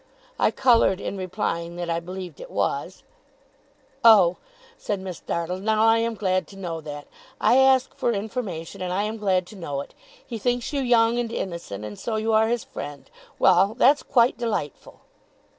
I coloured in replying that I believed it was. 'Oh!' said Miss Dartle. 'Now I am glad to know that! I ask for information, and I am glad to know it. He thinks you young and innocent; and so you are his friend. Well, that's quite delightful!